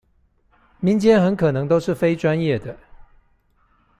民間很可能都是非專業的